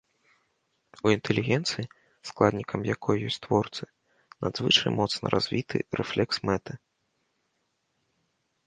У інтэлігенцыі, складнікам якой ёсць творцы, надзвычай моцна развіты рэфлекс мэты.